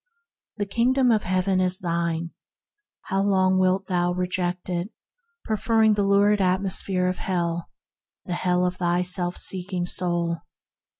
The Kingdom of Heaven is thine; how long wilt thou reject it, preferring the lurid atmosphere of hell — the hell of thy self seeking self?